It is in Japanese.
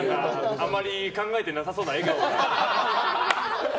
あまり考えてなさそうな笑顔が。